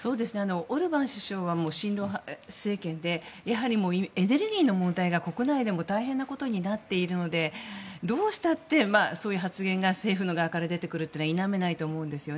オルバン首相は親ロ派政権でエネルギーの問題が国内でも大変なことになっていてどうしたってそういう発言が政府の側から出てくることは否めないと思うんです。